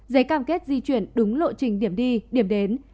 giấy cam kết di chuyển đúng lộ trình điểm đi điểm đến